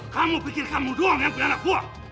kamu pikir kamu doang yang punya anak buah